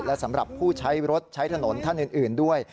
และสำหรับผู้ใช้รถใช้ถนนท่านอื่นด้วย